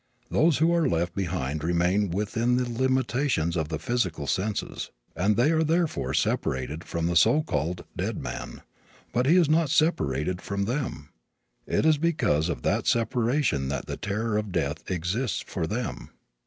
Those who are left behind remain within the limitations of the physical senses, and they are therefore separated from the so called dead man, but he is not separated from them. It is because of that separation that the terror of death exists for them.